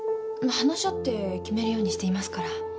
話し合って決めるようにしていますから。